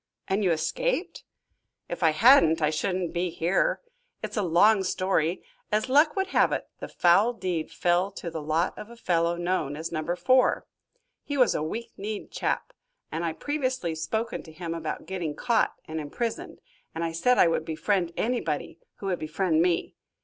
"And you escaped?" "If I hadn't I shouldn't be here. It's a long story. As luck would have it, the foul deed fell to the lot of a fellow known as Number Four. He was a weak kneed chap, and I had previously spoken to him about getting caught and imprisoned, and I said I would befriend anybody who would befriend me.